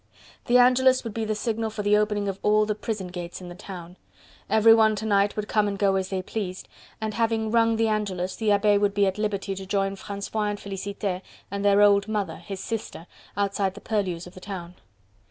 The Angelus would be the signal for the opening of all the prison gates in the town. Everyone to night could come and go as they pleased, and having rung the Angelus, the abbe would be at liberty to join Francois and Felicite and their old mother, his sister, outside the purlieus of the town.